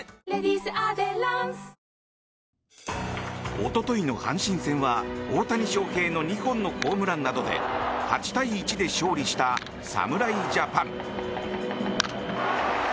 おとといの阪神戦は大谷翔平の２本のホームランなどで８対１で勝利した侍ジャパン。